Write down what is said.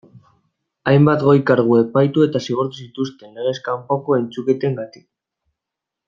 Hainbat goi kargu epaitu eta zigortu zituzten legez kanpoko entzuketengatik.